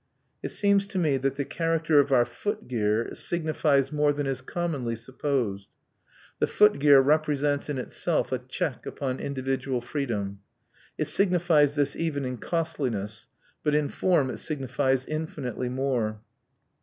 It seems to me that the character of our footgear signifies more than is commonly supposed. The footgear represents in itself a check upon individual freedom. It signifies this even in costliness; but in form it signifies infinitely more.